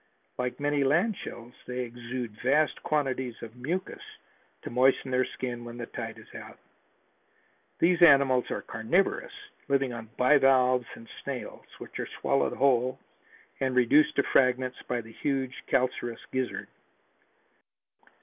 Like many land shells they exude vast quantities of mucus to moisten their skin when the tide is out. These animals are carnivorous, living on bivalves and snails, which are swallowed whole and reduced to fragments by the huge, calcareous gizzard.